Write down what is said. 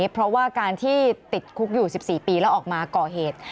เพราะว่าการที่ติดคุกอยู่๑๔ปีแล้วออกมาก่อเหตุ